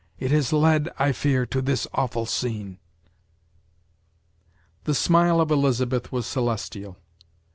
it has led, I fear, to this awful scene." The smile of Elizabeth was celestial.